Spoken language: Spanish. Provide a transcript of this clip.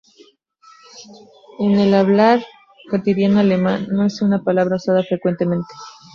En el hablar cotidiano alemán, no es una palabra usada frecuentemente.